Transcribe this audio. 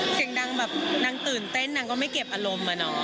เสียงดังแบบนางตื่นเต้นนางก็ไม่เก็บอารมณ์อะเนาะ